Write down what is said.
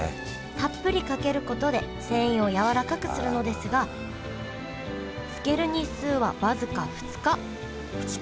たっぷりかけることで繊維をやわらかくするのですが漬ける日数は僅か２日２日？